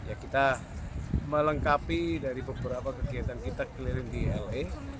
di mana kita bisa melengkapi beberapa kegiatan kita keliling di la